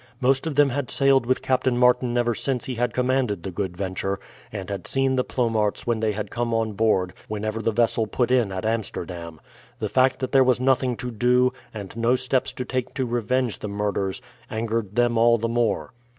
Most of them had sailed with Captain Martin ever since he had commanded the Good Venture, and had seen the Plomaerts when they had come on board whenever the vessel put in at Amsterdam. The fact that there was nothing to do, and no steps to take to revenge the murders, angered them all the more.